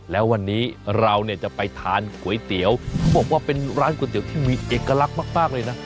แล้ววันนี้เราเนี่ยจะไปทานก๋วยเตี๋ยวเขาบอกว่าเป็นร้านก๋วยเตี๋ยวที่มีเอกลักษณ์มากเลยนะ